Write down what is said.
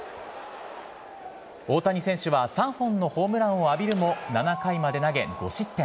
大谷選手は３本のホームランを浴びるも、７回まで投げ、５失点。